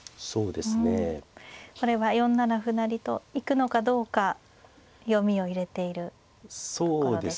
これは４七歩成と行くのかどうか読みを入れているところでしょうか。